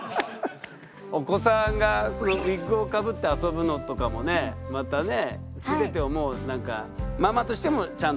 お子さんがウィッグをかぶって遊ぶのとかもねまたね全てをもうママとしてもちゃんとね伝えられてるし。